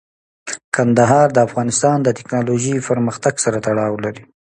کندهار د افغانستان د تکنالوژۍ پرمختګ سره تړاو لري.